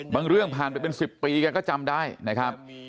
เรื่องผ่านไปเป็น๑๐ปีแกก็จำได้นะครับ